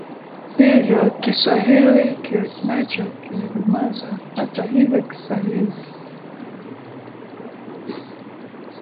Hivyo Kiswahili nacho kilidumazwa Hata hivyo Kiswahili